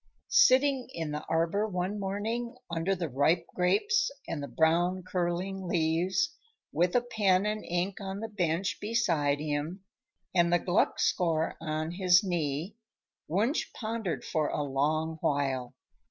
Sitting in the arbor one morning, under the ripe grapes and the brown, curling leaves, with a pen and ink on the bench beside him and the Gluck score on his knee, Wunsch pondered for a long while.